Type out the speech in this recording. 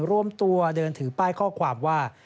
รวมตัวเดินถือป้ายข้อความว่า